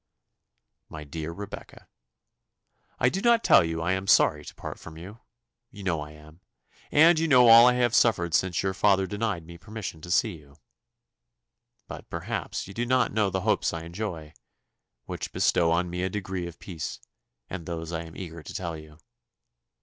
"MY DEAR REBECCA, "I do not tell you I am sorry to part from you you know I am and you know all I have suffered since your father denied me permission to see you. "But perhaps you do not know the hopes I enjoy, and which bestow on me a degree of peace; and those I am eager to tell you.